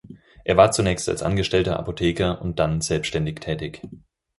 Er war zunächst als angestellter Apotheker und dann selbständig tätig.